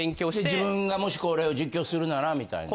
自分がもしこれを実況するならみたいな。